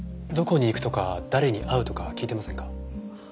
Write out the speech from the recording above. どこに行くとか誰に会うとか聞いてませんか？